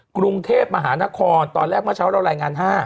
กรุงเทพมหานครตอนแรกเมื่อเช้าเรารายงาน๕